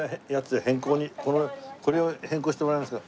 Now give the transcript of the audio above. これを変更してもらえますか？